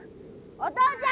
お父ちゃん！